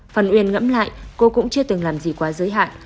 phần uyên ngẫm lại cô cũng chưa từng làm gì quá giới hạn